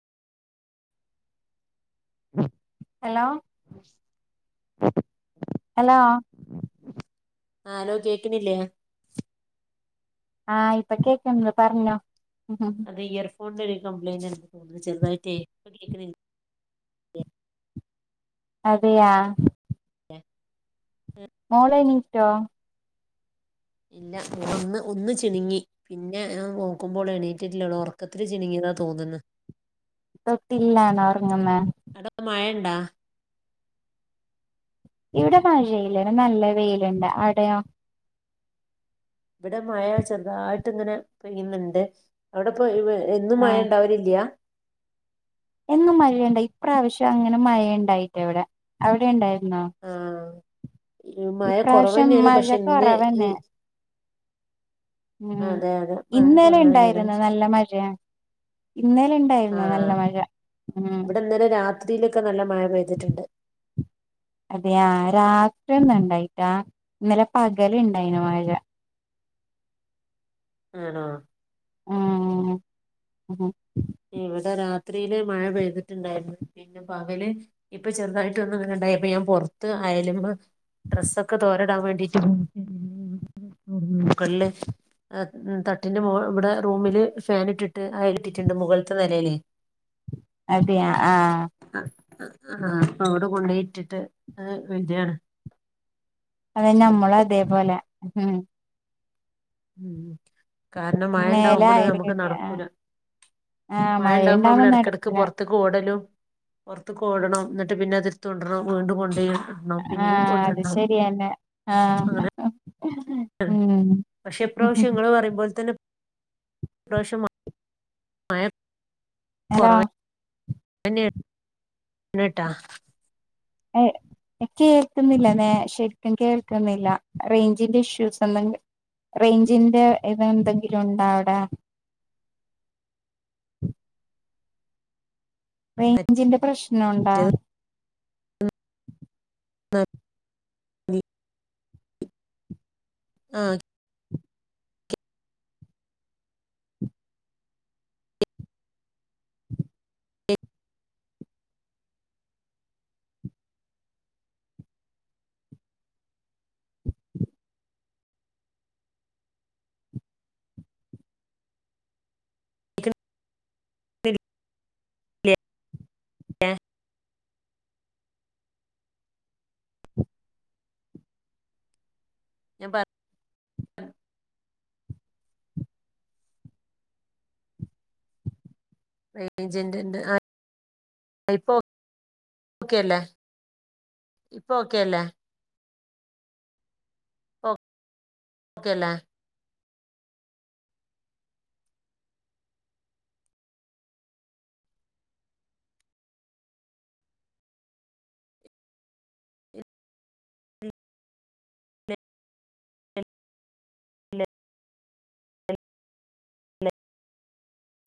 Hello. Hello. ആ hello കേക്ക്‌ണില്ലേ. ആഹ് ഇപ്പൊ കേക്ക്‌ന്ന് പർഞ്ഞോ. അത് ഈ ഒര് ഫ് ഫോൺ നൊര് കംബ്ലൈൻഡ് ണ്ട് ചെർതായ്റ്റേ. കേക്ക്ണിൽ ല്ലേ. അതെയാ എഹ് ഓളെനി റ്റൊ ഇല്ല ഓളൊന്ന് ഒന്ന് ചിണ്ങ്ങി പിന്ന നോക്കുമ്പോള് എണീറ്റിട്ടിലോള് ഒറക്കത്തില് ചിണുങ്ങിയതാ തോന്ന്ന്ന്. തൊട്ടില്ലാണോ ഒർങ്ങ്ന്നേ. ആഹ് ഇവിടെ മഴയില്ല. നല്ല വെയില്ണ്ട്. ആടെയോ? വിടെ മഴ ചെർതായ്ട്ട് ങ്ങനെ പെയ്യുന്ന്ണ്ട്. അവ്ടെ പ്പൊ എന്നും മഴ ആഹ് ണ്ടാവലില്ല്യാ. എന്നും മഴയുണ്ട ഇപ്രാവശ്യ അങ്ങന മഴ ണ്ടായില്ല വ്ടെ അവിടെ ണ്ടായി ണോ ആ മഴ കൊറവെന്നെണ് പക്ഷെ ന്ന് ഈ കൊറവന്നെ ഉം അതെ അതെ മഴ ഇന്നലെ കുറവ് തന്നെയാണ് ഇണ്ടായിരുന്നു. നല്ല മഴയാ. ഇന്നേല ആ ഇണ്ടായിരുന്നു നല്ല മഴ. ഉം ഇവിടെ ഇന്നലെ രാത്രിയിലൊക്കെ നല്ല മഴ പെയ്തിട്ടുണ്ട് അതെയാ രാ ഇണ്ടായിട്ടാ ഇന്നലെ പകല് ഇണ്ടായിന്. മഴ. ആണോ ആഹ് ഇവിടെ രാത്രിയില് മഴ പെയ്തിട്ടുണ്ടായിരുന്നു പിന്നെ പകല് ഇപ്പൊ ചെറുതായിട്ട് ഒന്ന് ഇങ്ങനിണ്ടായപ്പ ഞാൻ പുറത്ത് അയേലും ഡ്രെസ്സൊക്കെ തോരാൻ ഇടാൻ വേണ്ടിട്ട് മുകളില് തട്ടിന്റെ ഇവിടെ റൂമില് ഫൻ ഇട്ടിട്ട് അയേൽ ഇട്ടി ണ്ട് മുകളിത്തെ നിലേല് അതെയാ ആഹ് ആഹ് അവിടെ കൊണ്ടുപോയി ഇട്ടിട്ട് വരുകയാണ്. അത് തന്നെ നമ്മളും അതേപോലെ ഉം കാരണം മഴ മേലെ ഉണ്ടാവുമ്പോൾ അയല് നമുക്ക് കെട്ടി ആ നടക്കൂല ആ മഴ ഉണ്ടകുമ്പോ മഴയുണ്ടാവുമ്പോ നമ്മൾ ഇടക്കിടക്ക് നടക്കൂല പുറത്തേക്ക് ഓടലും പൊടറത്ത്ക്ക് ഓടണം എന്നിട്ട് പിന്നെ അത് എടുത്തോണ്ടരണം വീണ്ടും കൊണ്ടോയി ഇടണം പിന്നെയും ആഹ് അത് കൊണ്ടിടണം ശെരിയന്നേ ആഹ് അങ്ങനെ ഉം പക്ഷെ ഇപ്രാവശ്യം ഇങ്ങള് പറയുമ്പോലെ തന്നെ ഇപ്രാശ്യം മയാ ഹലോ [unintelligible] ഏഹ് കേൾക്കുന്നില്ല [unintelligible] ശെരിക്കും കേൾക്കുന്നില്ല, റേഞ്ചിന്റെ ഇഷ്യൂസെന്തെ [unintelligible] റേഞ്ചിന്റെ ഇത് എന്തെങ്കിലും ഉണ്ടോ അവടെ? റേഞ്ചിന്റെ പ്രശ്നം ഉണ്ടാ? മറ്റേത് ആഹ് [unintelligible] ഞാൻ പ ഏജന്റ് ഇണ്ട് ഇപ്പോ ഓക്കെല്ലേ? ഇപ്പോ ഓക്കെല്ലേ? ഓക്കെ അല്ലേ? ഇല്ല ഇല്ല [unintelligible]